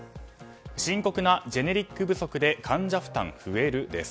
深刻なジェネリック不足で患者負担増える？です。